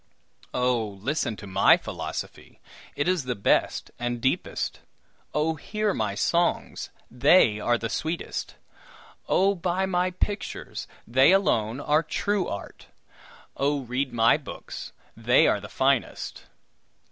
Oh! listen to my philosophy, it is the best and deepest. Oh! hear my songs, they are the sweetest. Oh! buy my pictures, they alone are true art. Oh! read my books, they are the finest.